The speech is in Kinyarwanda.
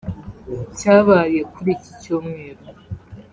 cyabaye kuri iki cyumweru